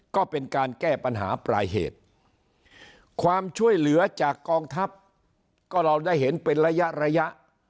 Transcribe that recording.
ก็เป็นการแก้ปัญหาปลายเหตุความช่วยเหลือจากกองทัพก็เราได้เห็นเป็นระยะระยะ